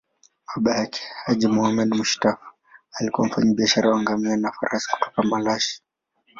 Baba yake, Haji Muhammad Mushtaq, alikuwa mfanyabiashara wa ngamia na farasi kutoka Malashi.